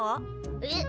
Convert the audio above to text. えっ？